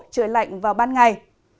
trời lạnh vào ban ngày